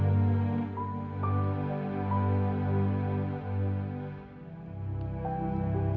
aku pengen pergi balik ke buru